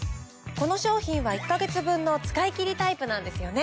この商品は１ヵ月分の使い切りタイプなんですよね？